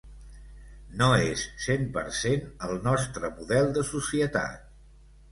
No és cent per cent el nostre model de societat.